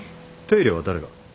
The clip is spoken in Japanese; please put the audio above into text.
手入れは誰が？